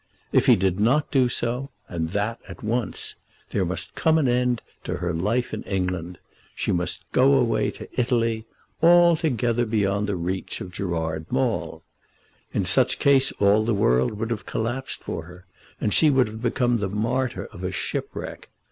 If he did not do so, and that at once, there must come an end to her life in England. She must go away to Italy, altogether beyond the reach of Gerard Maule. In such case all the world would have collapsed for her, and she would become the martyr of a shipwreck.